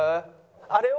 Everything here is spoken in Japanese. あれは？